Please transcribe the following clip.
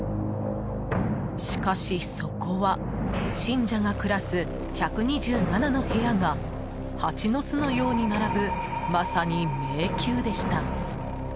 しかしそこは信者が暮らす１２７の部屋がハチの巣のように並ぶまさに迷宮でした。